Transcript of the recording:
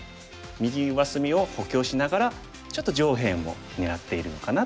右上隅を補強しながらちょっと上辺も狙っているのかなという手。